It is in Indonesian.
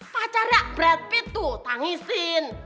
pacarnya brad pitt tuh tangisin